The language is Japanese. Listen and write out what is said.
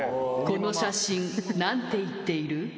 この写真なんて言っている？